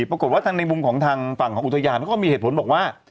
ปรากฏว่าทางในมุมของทางฝั่งของอุทยานเขาก็มีเหตุผลบอกว่า